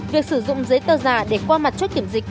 việc sử dụng giấy tờ giả để qua mặt cho kiểm diễn